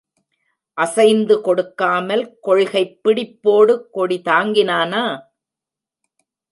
அசைந்து கொடுக்காமல் கொள்கைப் பிடிப்போடு கொடி தாங்கினானா?